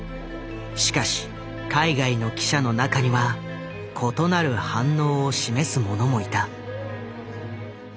しかし海外の記者の中には異なる反応を示す者もいた。